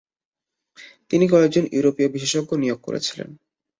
তিনি কয়েকজন ইউরোপীয় বিশেষজ্ঞ নিয়োগ করেছিলেন।